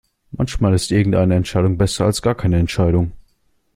Manchmal ist irgendeine Entscheidung besser als gar keine Entscheidung.